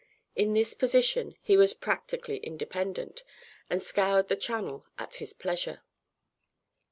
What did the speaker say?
In this position he was practically independent, and scoured the Channel at his pleasure.